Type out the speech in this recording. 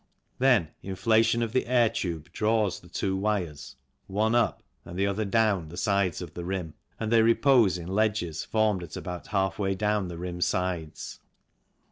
Then inflation of the air tube draws the two wires, one up and the 5 (1466H) 56 THE CYCLE INDUSTRY other down the sides of the rim, and they repose in ledges formed at about half way down the rim sides.